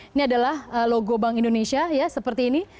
ini adalah logo bank indonesia ya seperti ini